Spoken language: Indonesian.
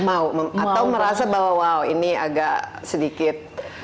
mau atau merasa bahwa wow ini agak sedikit